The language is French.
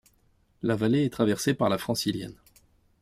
La vallée est traversée par la Francilienne.